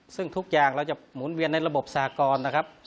ซึ่งทุกอย่างเราจะหมุนเวียนในระบบสากรนะครับ